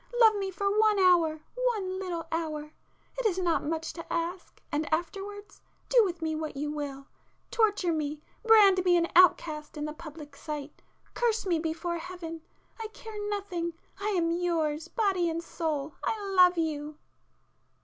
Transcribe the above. —love me for one hour, one little hour!—it is not much to ask, and afterwards,—do with me what you will,—torture me, brand me an outcast in the public sight, curse me before Heaven—I care nothing—I am yours body and soul—I love you!"